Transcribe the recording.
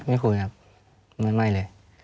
คุยครับไม่เลย